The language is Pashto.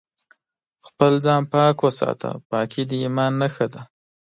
خپل ځان پاک وساته ، پاکي د ايمان نښه ده